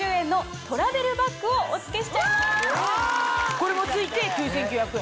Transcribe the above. これも付いて９９００円？